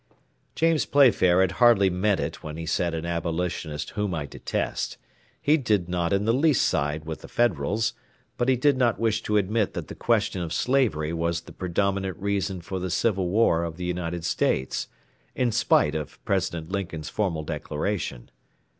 James Playfair had hardly meant it when he said an Abolitionist whom I detest; he did not in the least side with the Federals, but he did not wish to admit that the question of slavery was the predominant reason for the civil war of the United States, in spite of President Lincoln's formal declaration.